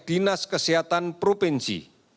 dinas kesehatan provinsi